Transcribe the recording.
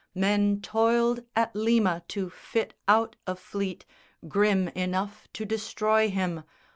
Men toiled at Lima to fit out a fleet Grim enough to destroy him.